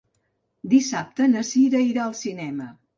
Dissabte na Cira irà al cinema.